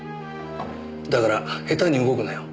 だから下手に動くなよ。